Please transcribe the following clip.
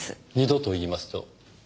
２度と言いますと？